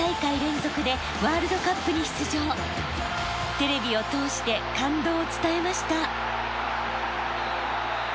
テレビを通して感動を伝えました。